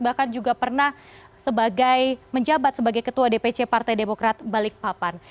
bahkan juga pernah sebagai menjabat sebagai ketua dpc partai demokrat balikpapan